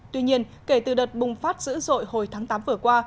tuy nhiên kể từ đợt bùng phát dữ dội hồi tháng tám vừa qua